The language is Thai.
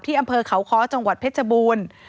อำเภอเขาค้อจังหวัดเพชรบูรณ์